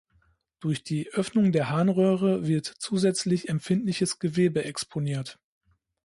Durch die Öffnung der Harnröhre wird zusätzlich empfindliches Gewebe exponiert.